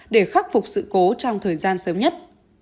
để khắc phục sự cố trong thời gian sớm nhất